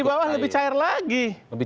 di bawah lebih cair lagi